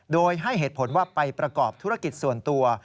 โดยให้เหตุผลว่าไปประกอบธุรกิจส่วนตัว